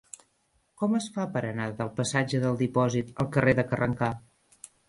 Com es fa per anar del passatge del Dipòsit al carrer de Carrencà?